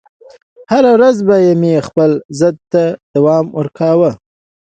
هره ورځ به مې خپل ضد ته دوام ورکاوه